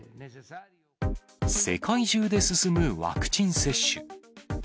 世界中で進むワクチン接種。